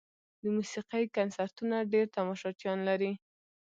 د موسیقۍ کنسرتونه ډېر تماشچیان لري.